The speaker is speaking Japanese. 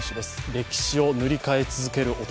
歴史を塗り替え続ける男。